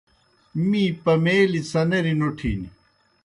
می پمَیلیْ څنَریْ نوٹِھن۔